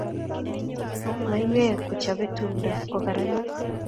Mauiwek kochobe tumdo kukararanit.